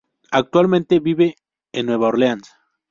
Actualmente vive en Nueva Orleans.